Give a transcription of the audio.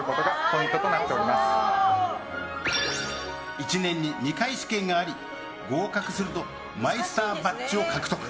１年に２回試験があり合格するとマイスターバッジを獲得。